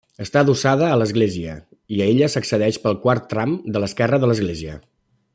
Està adossada a l'església, i a ella s'accedeix pel quart tram de l'esquerra de l'església.